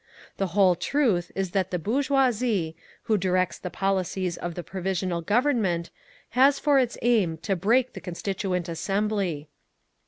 The whole truth is that the bourgeoisie, which directs the policies of the Provisional Government, has for its aim to break the Constituent Assembly.